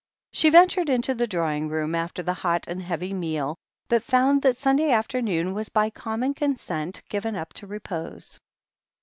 She ventured into the drawing room after the hot and heavy meal, but found that Sunday afternoon was by common consent given up to repose.